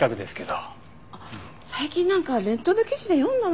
最近なんかネットの記事で読んだな。